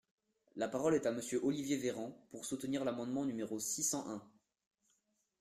La parole est à Monsieur Olivier Véran, pour soutenir l’amendement numéro six cent un.